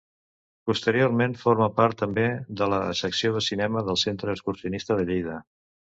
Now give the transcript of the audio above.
Posteriorment forma part, també, de la secció de cinema del Centre Excursionista de Lleida.